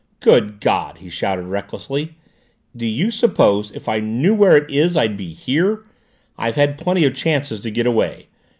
"Good God!" he shouted recklessly. "Do you suppose if I knew where it is, I'd be here? I've had plenty of chances to get away!